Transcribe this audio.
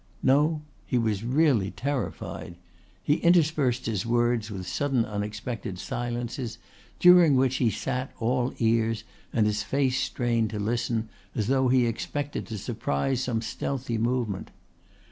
No, he was really terrified. He interspersed his words with sudden unexpected silences, during which he sat all ears and his face strained to listen, as though he expected to surprise some stealthy movement.